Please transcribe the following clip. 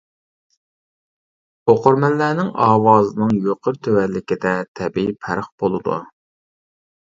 ئوقۇرمەنلەرنىڭ ئاۋازىنىڭ يۇقىرى تۆۋەنلىكىدە تەبىئىي پەرق بولىدۇ.